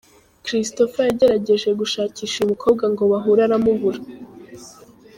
Christopher yagerageje gushakisha uyu mukobwa ngo bahure aramubura.